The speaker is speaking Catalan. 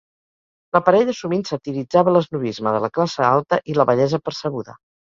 La parella sovint satiritzava l'esnobisme de la classe alta i la bellesa percebuda.